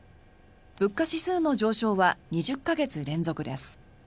物価指数の上昇は２０か月連続です。